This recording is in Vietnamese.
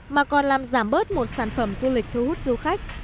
mà còn làm giảm bớt một sản phẩm du lịch thu hút du khách